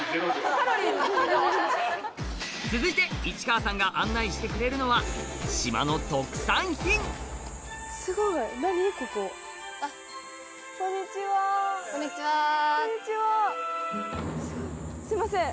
続いて市川さんが案内してくれるのは島の特産品すいません